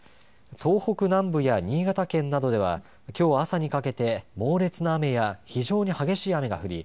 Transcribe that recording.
東北南部や新潟県などではきょう朝にかけて猛烈な雨や非常に激しい雨が降り